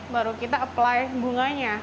baru kita apply bunganya